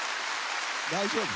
大丈夫？